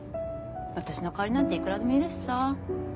私の代わりなんていくらでもいるしさ。